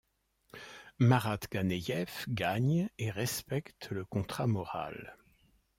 Marat Ganeïev gagne et respecte le contrat moral.